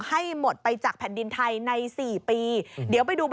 ให้หมดไปจากแผ่นดินไทยใน๔ปี